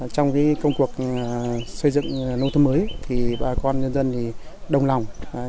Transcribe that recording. trong công cuộc xây dựng nông thôn mới thì bà con nhân dân đồng lòng